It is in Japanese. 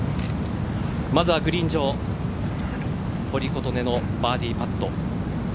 まずはグリーン上堀琴音のバーディーパット。